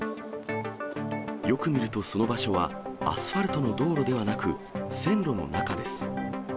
よく見るとその場所は、アスファルトの道路ではなく、線路の中です。